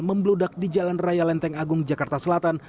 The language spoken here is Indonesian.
membludak di jalan raya lenteng agung jakarta selatan